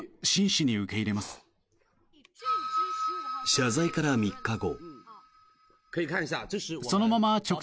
謝罪から３日後。